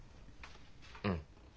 うん。